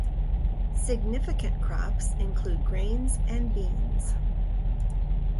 Significant crops include grains and beans.